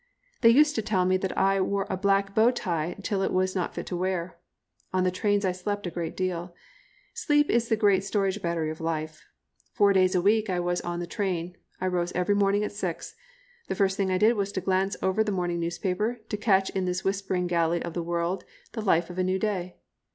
They used to tell me that I wore a black bow tie till it was not fit to wear. On the trains I slept a great deal. Sleep is the great storage battery of life. Four days of the week I was on the train. I rose every morning at six. The first thing I did was to glance over the morning newspaper, to catch in this whispering gallery of the world the life of a new day.